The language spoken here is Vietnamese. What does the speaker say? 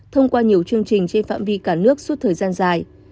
thông qua nhiều chương trình trên phạm vi cả nước suốt thời gian dài